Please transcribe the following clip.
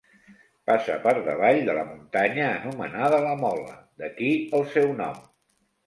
Passa per davall de la muntanya anomenada La Mola, d'aquí el seu nom.